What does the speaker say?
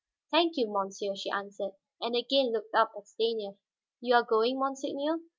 "Thank you, monsieur," she answered, and again looked up at Stanief. "You are going, monseigneur?